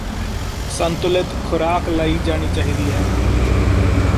ਸੰਤੁਲਿਤ ਖੁਰਾਕ ਲਈ ਜਾਣੀ ਚਾਹੀਦੀ ਹੈ